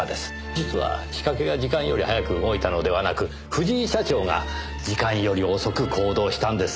実は仕掛けが時間より早く動いたのではなく藤井社長が時間より遅く行動したんです。